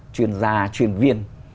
chuyên gia chuyên viên